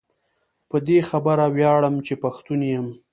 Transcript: په دي خبره وياړم چي پښتون يم